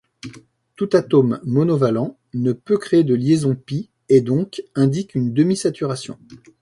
Tout atome monovalent ne peut créer de liaison pi, et donc indique une demi-saturation.